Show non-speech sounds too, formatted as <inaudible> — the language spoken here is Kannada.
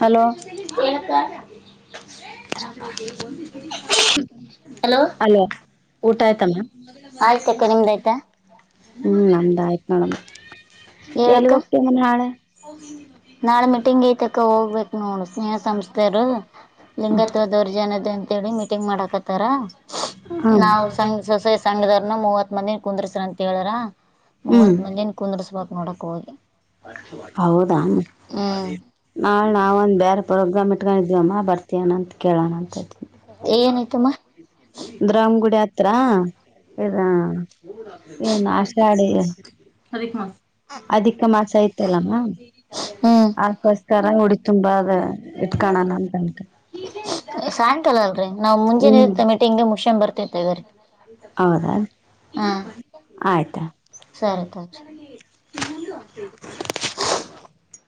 ಹಲೋ. ಹಲೋಊ ಅಲೋ ಊಟ ಆಯ್ತು ಆಯ್ತಾ ಮ್ಯಾಮ್ ಮ್ಮ್ ಅಕ್ಕ ನಿಮ್ದಾಆಯ್ತಾ. ಹ್ಮ್ ನಂದಾಯ್ತು. ಹಣಮ್ ಹೇಳಕ್ಕ ನಾಳೆ ಮೀಟಿಂಗ್ ಐತಕ್ಕ ಹೋಗ್ಬೇಕ ನೋ ಸ್ನೇಹ ಸಂಸ್ಥೆಯರು ಲಿಂಗತ್ವ ದೌರ್ಜನ್ಯದ ಅಂತೇಳಿ ಮೀಟಿಂಗ್ ಮಾಡಕತ್ತಾರ ಹ ನಾವ್ ಸಂ ಸೊಸೈ ಸಂಘದವರ್ನ ಮೂವತ್ ಮಂದ ಕುಂದರ್ಸ್ರಂತ ಕೇಳರ ಮೂವತ್ ಮಂದಿನ್ ಕುಂದರ್ಸ್ಬೇಕು ಹೌದ ಹ್ಮ್ ನಾಳ ನಾವ ಒಂದ ಬೇರೆ ಪರಗ್ಗಂಬಿಟ್ಕೊಂಡ ಇದವಮ್ಮ ಬರ್ತೀನಂತ ಕೇಳೋಣ ಅಂತನಿ ಏನೈತಮ್ಮ ದ್ರಾಮ್ ಗುಡಿ ಹತ್ರ ಇದ. ಎ ನಾಶ್ಟಾ <unintelligible> ಹ್ಮ ಅದಕ್ಕೋಸ್ಕರ ಉಡಿ ತುಂಬಾ ಅದ ಇಟ್ಕಣಣ ಅಂತ ಅನ್ಕ ಸಾಯಂಕಾಲ ಅಲ್ರಿ ನಾವ್ ಹ್ಮ್ ಮುಂಜೆಾನೆತ ಮಿಟ್ಟ ಹಿಂಗಗೆ ಮುಷನ್್ ಬರ್ತತ ಇದ್ರ ಹೌದಾ ಹಾ. ಆಯ್ತಾ ಸರಿ ತೋರಿ <unintelligible>